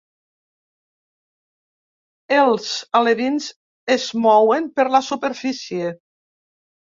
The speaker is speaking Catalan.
Els alevins es mouen per la superfície.